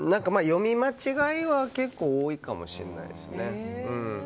読み間違いは結構多いかもしれないですね。